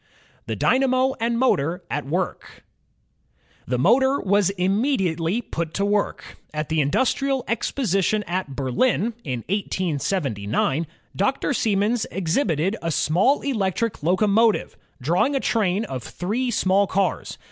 The Dynamo and Motor at Work The motor was immediately put to work. At the In dustrial Exposition at Berlin, in 1879, Dr. Siemens ex hibited a small electric locomotive drawing a train of three small cars.